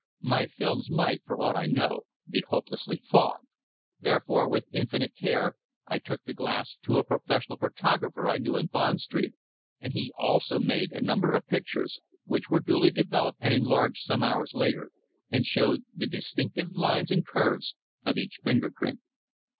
My films might, for aught I know, be hopelessly fogged. Therefore, with infinite care, I took the glass to a professional photographer I knew in Bond Street, and he also made a number of pictures, which were duly developed and enlarged some hours later, and showed the distinctive lines and curves of each finger print.